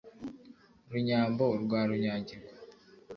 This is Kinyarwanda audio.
runyambo rwa runyagirwa